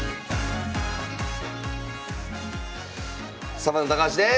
サバンナ高橋です。